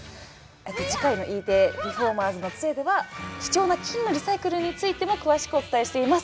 次回のＥテレ「リフォーマーズの杖」では貴重な金のリサイクルについても詳しくお伝えしています。